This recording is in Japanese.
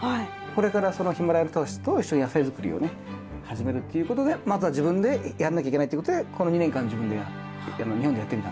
これからそのヒマラヤの人たちと一緒に野菜作りをね始めるっていうことでまずは自分でやんなきゃいけないってことでこの２年間自分で日本でやってみたんですよね。